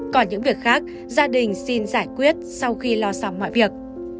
còn những việc khác gia đình xin giải quyết sau khi lo xong mọi việc